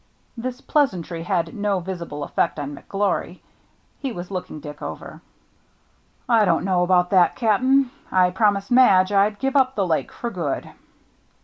This pleasantry had no visible effect on McGlory. He was looking Dick over. " I don't know about that, Cap'n. I promised Madge I'd give up the Lake for good."